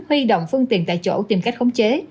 huy động phương tiện tại chỗ tìm cách khống chế